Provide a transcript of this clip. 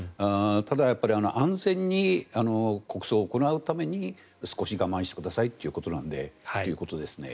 ただ、安全に国葬を行うために少し我慢してくださいということなのでっていうことですね。